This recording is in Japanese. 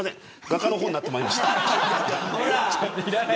画家の方になってました。